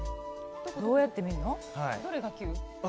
どうやって見るの？